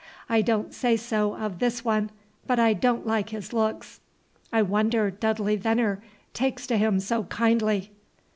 I don't say so of this one, but I don't like his looks. I wonder Dudley Veneer takes to him so kindly."